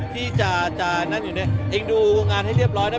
ที่จะนั่นอยู่เนี่ยเองดูงานให้เรียบร้อยแล้ว